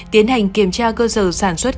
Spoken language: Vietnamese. tiến hành kiểm tra cơ sở sản xuất